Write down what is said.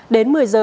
đến một mươi giờ